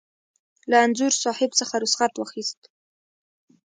له انځور صاحب څخه رخصت واخیست.